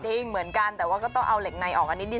จริงเหมือนกันแต่ว่าก็ต้องเอาเหล็กในออกกันนิดนึ